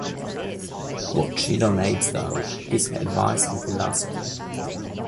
What she donates, though, is her advice and philosophy.